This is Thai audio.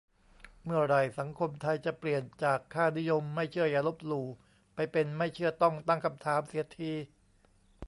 เมื่อไหร่สังคมไทยจะเปลี่ยนจากค่านิยม "ไม่เชื่ออย่าลบหลู่" ไปเป็น "ไม่เชื่อต้องตั้งคำถาม" เสียที